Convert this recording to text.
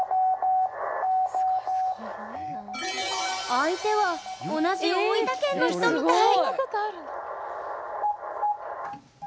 相手は同じ大分県の人みたい。